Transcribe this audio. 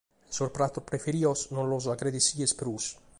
Sos pratos preferidos no los agradessides prus.